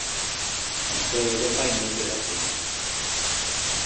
En toda Europa y norte de África.